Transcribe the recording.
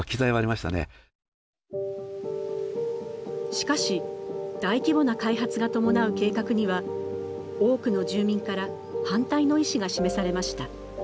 しかし大規模な開発が伴う計画には多くの住民から反対の意志が示されました。